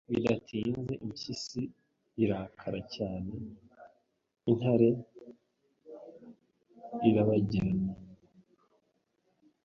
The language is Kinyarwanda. Bidatinze impyisi irakara cyane Intare irabagirana